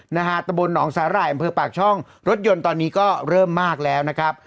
นะฮะตะบนหนองสาหร่ายอำเภอปากช่องรถยนต์ตอนนี้ก็เริ่มมากแล้วนะครับ